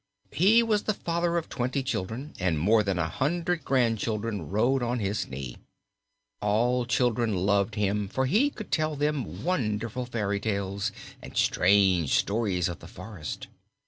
He was the father of twenty children, and more than a hundred grandchildren rode on his knee. All children loved him for he could tell them wonderful fairy tales and strange stories of the forest.